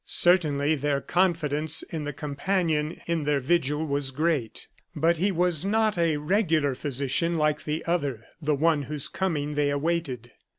Certainly their confidence in the companion in their vigil was great; but he was not a regular physician like the other, the one whose coming they awaited.